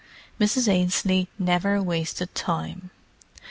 Mrs. Ainslie never wasted time.